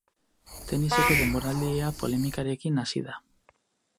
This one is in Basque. Teniseko denboraldia polemikarekin hasi da.